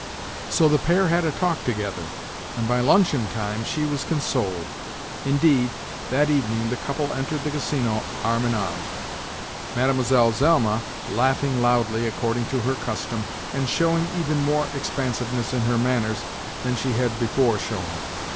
So the pair had a talk together, and, by luncheon time, she was consoled. Indeed, that evening the couple entered the Casino arm in arm—Mlle. Zelma laughing loudly, according to her custom, and showing even more expansiveness in her manners than she had before shown.